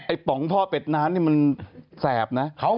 ป๋องพ่อเป็ดน้ำนี่มันแสบนะ